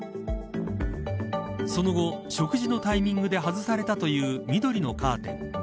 その後、食事のタイミングで外されたという緑のカーテン。